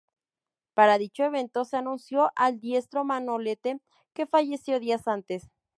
Para dicho evento se anunció al diestro Manolete, que falleció días antes.